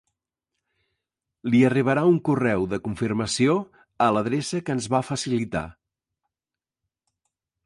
Li arribarà un correu de confirmació a l'adreça que ens va facilitar.